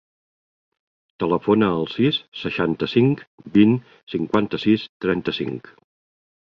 Telefona al sis, seixanta-cinc, vint, cinquanta-sis, trenta-cinc.